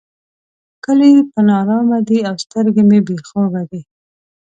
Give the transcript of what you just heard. ښکلي پر نارامه دي او سترګې مې بې خوبه دي.